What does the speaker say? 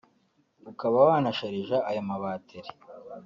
ukaba wanasharija ayo mabateri